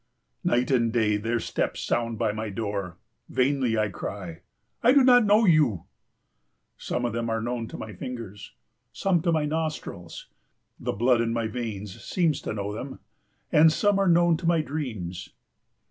Night and day their steps sound by my door. Vainly I cry, "I do not know you." Some of them are known to my fingers, some to my nostrils, the blood in my veins seems to know them, and some are known to my dreams.